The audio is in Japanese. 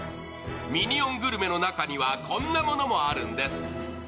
ミニオングルメの中にはこんなものもあるんです。